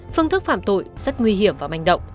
phương thức phạm tội rất nguy hiểm và manh động